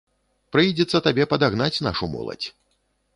Прыйдзецца табе падагнаць нашу моладзь.